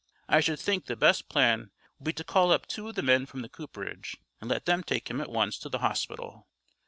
"I should think the best plan would be to call up two of the men from the cooperage and let them take him at once to the hospital."